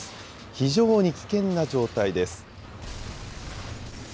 非常に危険な状態です。